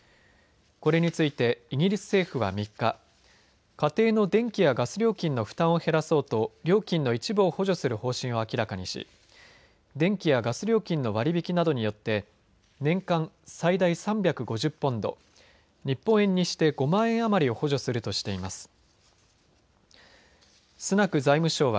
これについてイギリス政府は３日、家庭の電気やガス料金の負担を減らそうと料金の一部を補助する方針を明らかにし電気やガス料金の割引などによって年間、最大３５０ポンド、日本円にして５万円余りを補助するとしています。